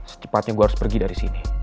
secepatnya gue harus pergi dari sini